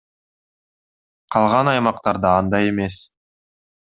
Калган аймактарда андай эмес.